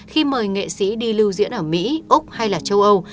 khi mời nghệ sĩ đi lưu diễn ở mỹ úc hay là châu âu